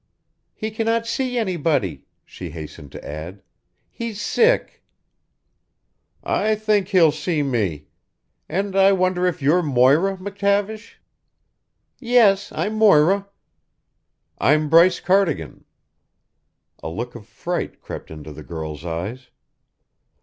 "He cannot see anybody," she hastened to add. "He's sick." "I think he'll see me. And I wonder if you're Moira McTavish." "Yes, I'm Moira." "I'm Bryce Cardigan." A look of fright crept into the girl's eyes.